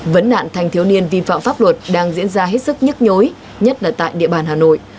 vấn nạn thành thiếu niên vi phạm pháp luật đang diễn ra hết sức nhức nhối nhất là tại địa bàn hà nội